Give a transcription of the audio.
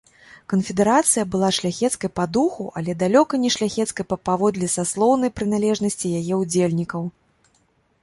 Канфедэрацыя была шляхецкай па духу, але далёка не шляхецкай паводле саслоўнай прыналежнасці яе ўдзельнікаў.